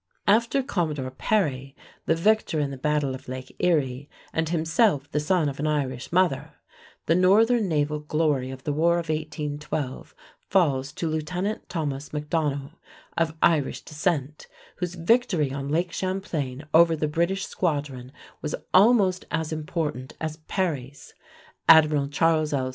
After Commodore Perry, the victor in the battle of Lake Erie, and himself the son of an Irish mother, the northern naval glory of the War of 1812 falls to Lieutenant Thomas MacDonough, of Irish descent, whose victory on Lake Champlain over the British squadron was almost as important as Perry's. Admiral Charles L.